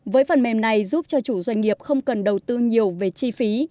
với phần mềm này giúp cho chủ doanh nghiệp không cần đầu tư nhiều về chi phí